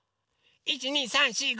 １２３４５。